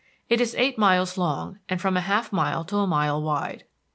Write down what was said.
It is eight miles long, and from half a mile to a mile wide.